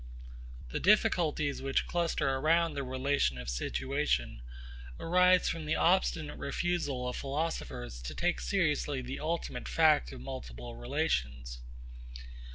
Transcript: The difficulties which cluster around the relation of situation arise from the obstinate refusal of philosophers to take seriously the ultimate fact of multiple relations.